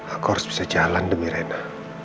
aku harus bisa jalan demi rena